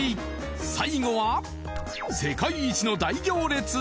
最後は世界一の大行列？